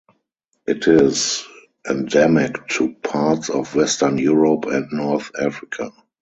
It is endemic to parts of western Europe and north Africa.